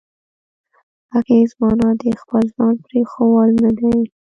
اغېز معنا د خپل ځان پرېښوول نه دی.